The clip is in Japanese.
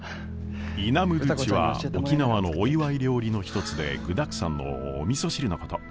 イナムドゥチは沖縄のお祝い料理の一つで具だくさんのおみそ汁のこと。